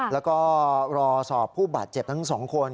แล้วก็รอสอบผู้บาดเจ็บทั้งสองคน